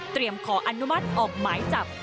ขออนุมัติออกหมายจับ